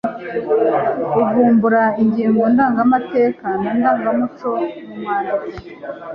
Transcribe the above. Kuvumbura ingingo ndangamateka na ndangamuco mu mwandiko.